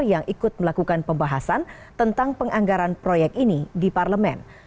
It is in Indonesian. yang ikut melakukan pembahasan tentang penganggaran proyek ini di parlemen